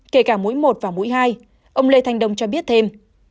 kể cả mũi một và mũi hai ông lê thanh đông cho biết thêm